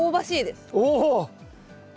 お。